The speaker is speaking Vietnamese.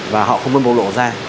và họ không có bộc lộ ra